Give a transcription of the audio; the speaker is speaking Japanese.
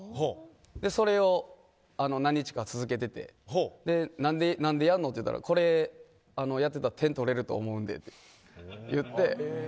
それを何日か続けててなんで、やんのって言ったらこれやってたら点取れると思うんでって言って。